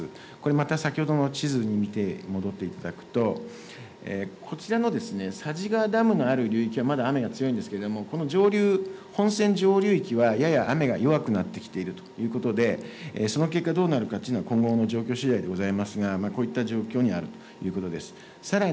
これまた、先ほどの地図に戻っていただくと、こちらのですね、佐治川ダムのある流域は、まだ雨が強いんですけれども、この上流、ほんせん上流域はやや雨が弱くなってきているということで、その結果、どうなるかっていうのは今後の状況しだいでございますが、こういった状況にあるということです。